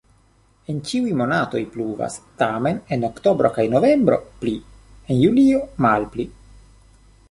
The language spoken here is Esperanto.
En ĉiuj monatoj pluvas, tamen en oktobro kaj novembro pli, en julio malpli.